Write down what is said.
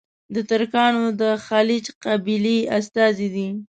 د ترکانو د خیلیچ قبیلې استازي دي.